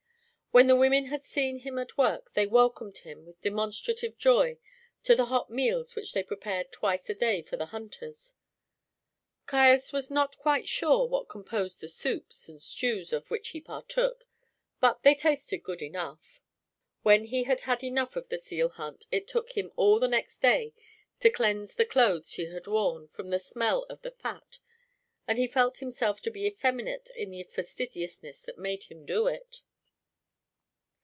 When the women had seen him at work they welcomed him with demonstrative joy to the hot meals which they prepared twice a day for the hunters. Caius was not quite sure what composed the soups and stews of which he partook, but they tasted good enough. When he had had enough of the seal hunt it took him all the next day to cleanse the clothes he had worn from the smell of the fat, and he felt himself to be effeminate in the fastidiousness that made him do it.